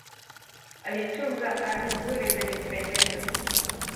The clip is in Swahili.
Alitunga ala nzuri zenye kupendeza.